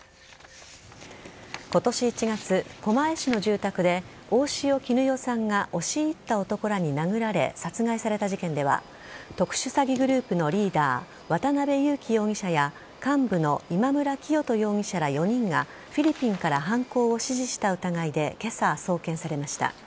今年１月、狛江市の住宅で大塩衣与さんが押し入った男らに殴られ殺害された事件では特殊詐欺グループのリーダー渡辺優樹容疑者や幹部の今村磨人容疑者ら４人がフィリピンから犯行を指示した疑いで今朝、送検されました。